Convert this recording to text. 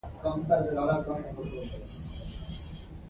که څه هم دا اونۍ د کال د کوارټر په حساب اخېری